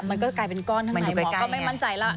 มันก็กลายเป็นก้อนทางในก็ไม่มันใจเราร้อ